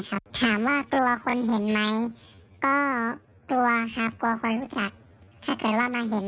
สะหรัวแล้วก็มองหน้ากันไม่ค่อยซัดเท่าไหร่